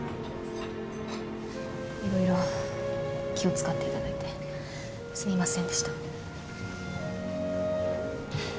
色々気を使っていただいてすみませんでした。